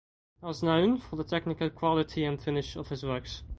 He was known for the technical quality and finish of his works.